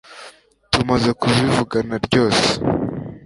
tumaze kubivugana ryose